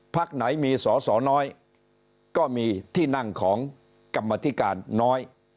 พักไหนมีสอสอน้อยก็มีที่นั่งของกรรมธิการน้อย